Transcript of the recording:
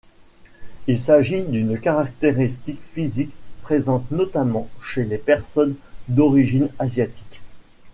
Il s'agit d'une caractéristique physique présente notamment chez les personnes d'origine asiatique.